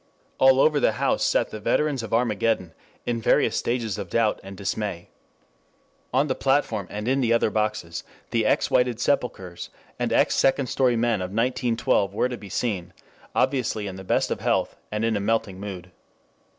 All over the house sat the veterans of Armageddon in various stages of doubt and dismay. On the platform and in the other boxes the ex whited sepulchres and ex second story men of 1912 were to be seen, obviously in the best of health and in a melting mood.